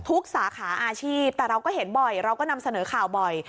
สาขาอาชีพแต่เราก็เห็นบ่อยเราก็นำเสนอข่าวบ่อย